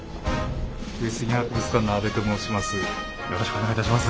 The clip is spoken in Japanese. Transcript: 上杉博物館の阿部と申します。